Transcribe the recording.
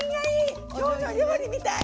「きょうの料理」みたい！